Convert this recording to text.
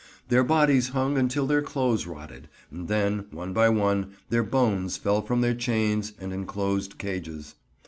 Their bodies hung until their clothes rotted; and then, one by one, their bones fell from their chains and enclosing cages.